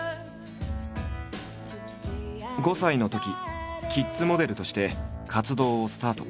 ５歳のときキッズモデルとして活動をスタート。